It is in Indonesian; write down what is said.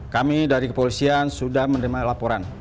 kami dari kepolisian sudah menerima laporan